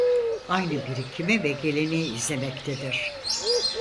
Aynı birikimi ve geleneği izlemektedir.